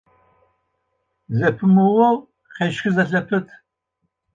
Зэпымыгъоу къэщхызэ зэпыт.